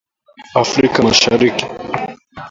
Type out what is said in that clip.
Afrika Mashariki.